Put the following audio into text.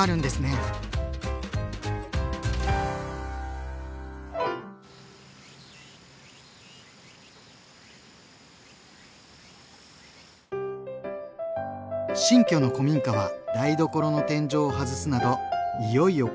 新居の古民家は台所の天井を外すなどいよいよ改装が始まっています。